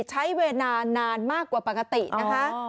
ใช้เวลานานมากกว่าปกตินะคะ